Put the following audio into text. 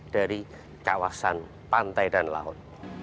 dari kawasan pantai dan laut